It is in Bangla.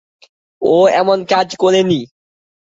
ও এমন কাজ করেনি।